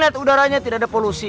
lihat udaranya tidak ada polusi